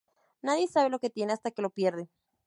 Nadie sabe lo que tiene hasta que lo pierde